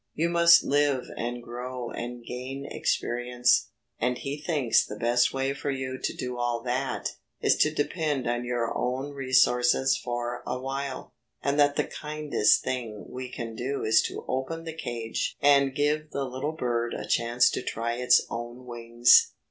You must live and grow and gain experience, and he thinks the best way for you to do all that, is to depend on your own resources for awhile, and that the kindest thing we can do is to open the cage and give the little bird a chance to try its own wings.